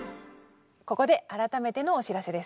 ここで改めてのお知らせです。